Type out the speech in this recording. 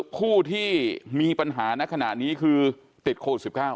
คู่ที่มีปัญหาในขณะนี้คือติดโควิด๑๙